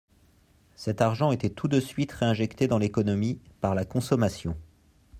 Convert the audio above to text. Cet argent était tout de suite réinjecté dans l’économie par la consommation.